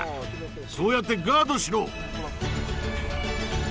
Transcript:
そうやってガードしろ！